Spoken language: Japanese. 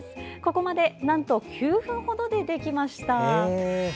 ここまで、なんと９分ほどでできました。